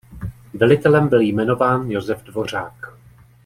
Velitelem byl jmenován Josef Dvořák.